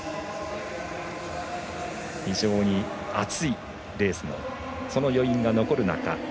非常に熱いレースのその余韻が残る中。